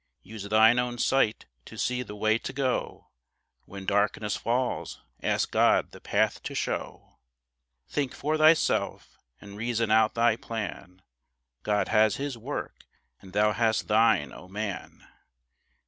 Use thine own sight to see the way to go; When darkness falls ask God the path to show. Think for thyself and reason out thy plan; God has his work and thou hast thine, oh, man.